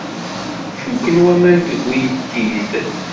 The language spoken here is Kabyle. Fukken waman deg uyeddid.